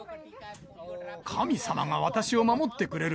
神様が私を守ってくれる。